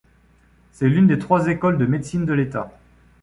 C'est l'une des trois écoles de médecine de l'état.